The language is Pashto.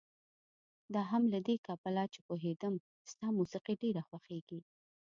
دا هم له دې کبله چې پوهېدم ستا موسيقي ډېره خوښېږي.